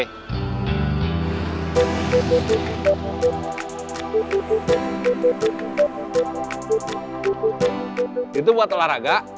itu buat olahraga